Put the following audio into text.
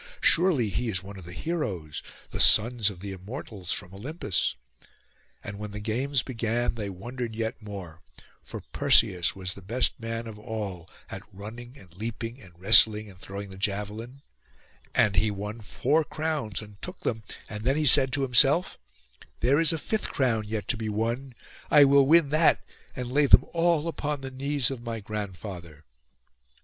Surely he is one of the heroes, the sons of the Immortals, from Olympus.' And when the games began, they wondered yet more; for Perseus was the best man of all at running, and leaping, and wrestling and throwing the javelin; and he won four crowns, and took them, and then he said to himself, 'There is a fifth crown yet to be won: I will win that, and lay them all upon the knees of my grandfather.